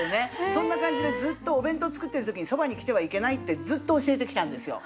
そんな感じでずっとお弁当作ってる時にそばに来てはいけないってずっと教えてきたんですよ。